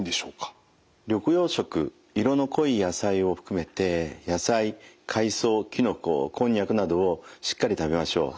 緑黄色色の濃い野菜を含めて野菜海藻きのここんにゃくなどをしっかり食べましょう。